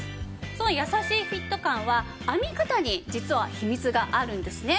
その優しいフィット感は編み方に実は秘密があるんですね。